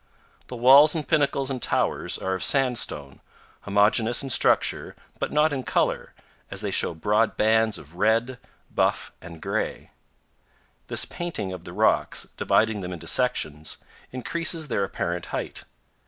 The walls and pinnacles and towers are of sandstone, homogeneous in structure but not in color, as they show broad bands of red, FROM THE GRAND TO THE LITTLE COLORADO. 215 buff, and gray. This painting of the rocks, dividing them into sections, increases their apparent height.